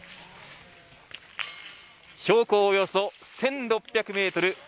標高およそ１６００メートル。